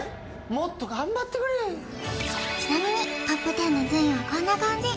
もっと頑張ってくれちなみにＴＯＰ１０の順位はこんな感じ